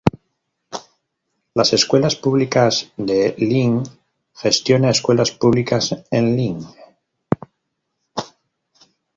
Las Escuelas Públicas de Lynn gestiona escuelas públicas en Lynn.